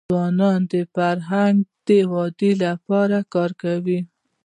ځوانان د فرهنګ د ودي لپاره کار کوي.